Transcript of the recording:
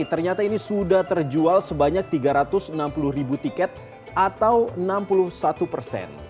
ternyata ini sudah terjual sebanyak tiga ratus enam puluh ribu tiket atau enam puluh satu persen